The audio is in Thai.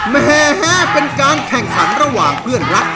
แม้เป็นการแข่งขันระหว่างเพื่อนรัก